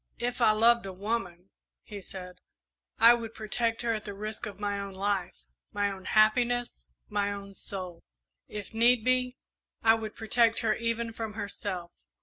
"If I loved a woman," he said, "I would protect her at the risk of my own life, my own happiness, my own soul. If need be, I would protect her even from herself.